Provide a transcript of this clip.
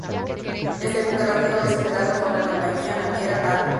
Este buque rápido es operado por la compañía Naviera Armas.